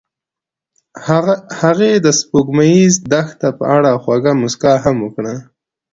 هغې د سپوږمیز دښته په اړه خوږه موسکا هم وکړه.